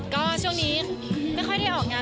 ก็ช่วงนี้ไม่ค่อยได้ออกงาน